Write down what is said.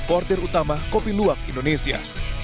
portir utama kopi luwak indonesia